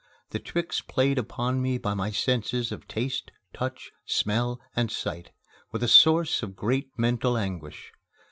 The tricks played upon me by my senses of taste, touch, smell, and sight were the source of great mental anguish.